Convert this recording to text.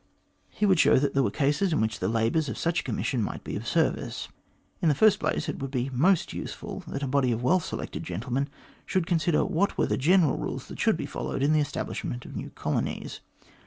He would show that there were cases in which the labours of such a commission might be of service. In the first place, it would be most useful that a body of well selected gentlemen should consider what were the general rules that should be followed in the establishment of new colonies.